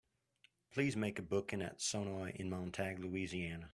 Please make a booking at Sonoy in Montague, Louisiana.